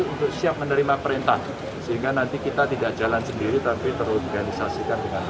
untuk siap menerima perintah sehingga nanti kita tidak jalan sendiri tapi terorganisasikan dengan